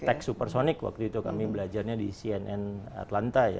tekst supersonik waktu itu kami belajarnya di cnn atlanta